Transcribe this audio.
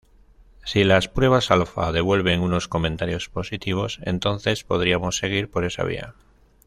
Si las pruebas alpha devuelven unos comentarios positivos entonces podríamos seguir por esa vía.